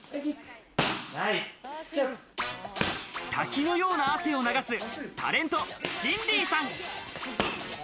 滝のような汗を流すタレント、シンディさん。